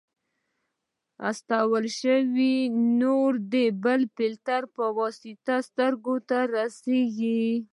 استول شوی نور د بل فلټر په واسطه سترګو ته رارسیږي.